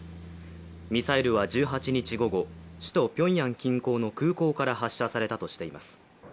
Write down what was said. ミサイルは１８日午後、首都ピョンヤン近郊の空港から発射されたとしています。